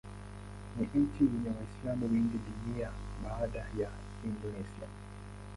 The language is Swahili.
Ni nchi yenye Waislamu wengi duniani baada ya Indonesia.